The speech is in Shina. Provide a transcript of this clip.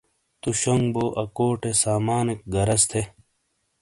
تُو شونگ بو اکوٹے سامانیک غرض تھے۔